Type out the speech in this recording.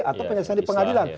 atau penyelesaian di pengadilan